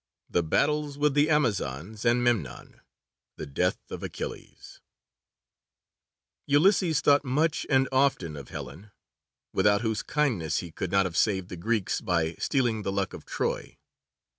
THE BATTLES WITH THE AMAZONS AND MEMNON THE DEATH OF ACHILLES Ulysses thought much and often of Helen, without whose kindness he could not have saved the Greeks by stealing the Luck of Troy.